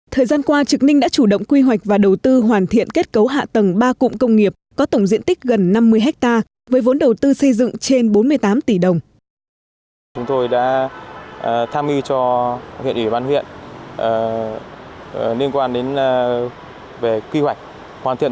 thời gian qua trực ninh đã chủ động quy hoạch và đầu tư hoàn thiện kết cấu hạ tầng ba cụm công nghiệp có tổng diện tích gần năm mươi ha với vốn đầu tư xây dựng trên bốn mươi tám tỷ đồng